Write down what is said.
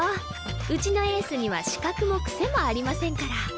うちのエースには死角もクセもありませんから。